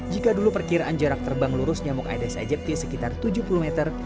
jika dulu perkiraan jarak terbang lurus nyamuk aedes aegypti sekitar tujuh puluh meter